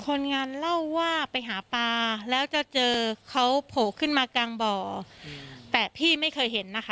คนงานเล่าว่าไปหาปลาแล้วจะเจอเขาโผล่ขึ้นมากลางบ่อแต่พี่ไม่เคยเห็นนะคะ